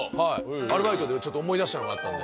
「アルバイト」でちょっと思い出したのがあったんで。